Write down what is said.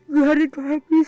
gari tuah abis